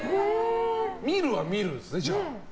見るは見るんですね、じゃあ。